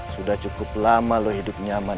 sudah cukup lama loh hidup nyaman